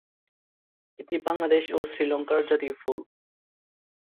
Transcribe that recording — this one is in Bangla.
এটি বাংলাদেশ ও শ্রীলংকার জাতীয় ফুল।